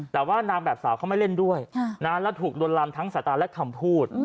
แต่ว่านางแบบสาวเขาไม่เล่นด้วยแล้วถูกลวนลำทั้งสายตาและคำพูด